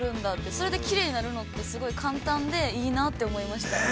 それできれいになるのって、すごい簡単で、いいなと思いました。